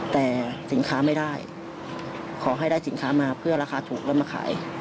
แต่สินค้าไม่ได้ขอให้ได้สินค้ามาเพื่อราคาถูกแล้วมาขาย